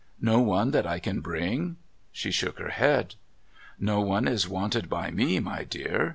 ' No one that I can bring ?' She shook her head. ' No one is wanted Iiy vie my dear.